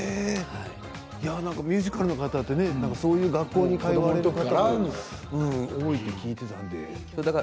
ミュージカルの方ってそういう学校に通われるのかと思っていたから。